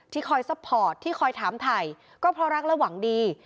คอยซัพพอร์ตที่คอยถามถ่ายก็เพราะรักและหวังดี